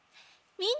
みんな。